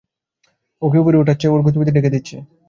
ওকে উপরে উঠাচ্ছে, ওর গতিবিধি ঢেকে দিচ্ছে।